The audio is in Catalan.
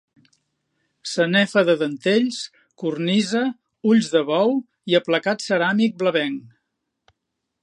Sanefa de dentells, cornisa, ulls de bou i aplacat ceràmic blavenc.